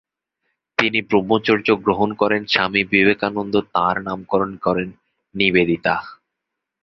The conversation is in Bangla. তিনি ব্রহ্মচর্য গ্রহণ করলে স্বামী বিবেকানন্দ তাঁর নামকরণ করেন "নিবেদিতা"।